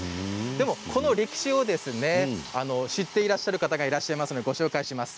でも、この歴史を知っていらっしゃる方がいらっしゃいますのでご紹介します。